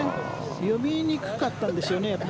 読みにくかったんでしょうね。